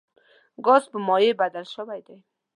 ګاز په مایع بدل شوی دی.